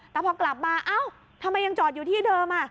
แต่พอกลับมาเอ้าทำไมยังจอดอยู่ที่เดิม